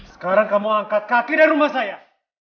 sekarang kamu angkat kaki dari rumah saya